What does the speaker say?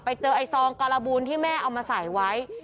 ไปเจอไอ้ซองการบูนที่แม่เอามาใส่ไว้